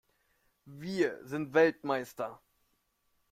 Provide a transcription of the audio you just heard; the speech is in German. Wir sind Weltmeister!